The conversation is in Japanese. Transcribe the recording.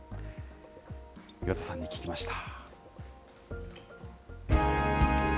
岩田さんに聞きました。